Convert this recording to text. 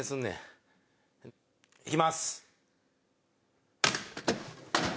いきます。